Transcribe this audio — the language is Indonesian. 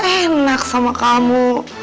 jadi gak enak sama kamu